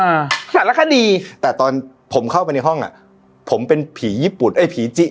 สารคดีแต่ตอนผมเข้าไปในห้องอ่ะผมเป็นผีญี่ปุ่นไอ้ผีจิ